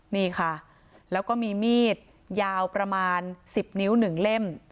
นี่ค่ะแล้วก็มีมีดยาวประมาณ๑๐นิ้ว๑เล่ม